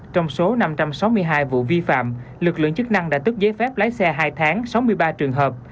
trong số năm trăm sáu mươi hai vụ vi phạm lực lượng chức năng đã tức giấy phép lái xe hai tháng sáu mươi ba trường hợp